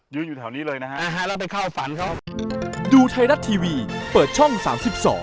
ยืนอยู่แถวนี้เลยนะครับครับแล้วไปเข้าฝันเขา